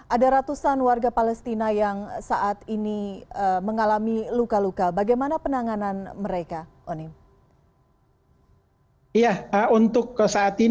ada ratusan warga palestina yang saat ini mengalami luka luka bagaimana penanganan mereka onim